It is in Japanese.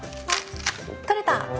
取れた！